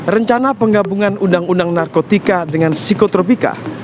rencana penggabungan undang undang narkotika dengan psikotropika